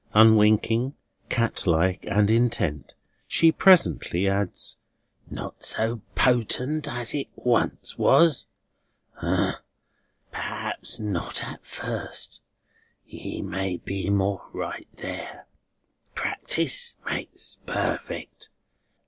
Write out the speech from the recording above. Unwinking, cat like, and intent, she presently adds: "Not so potent as it once was? Ah! Perhaps not at first. You may be more right there. Practice makes perfect.